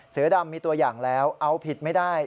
เสือดำมีตัวอย่างแล้วเอาผิดไม่ได้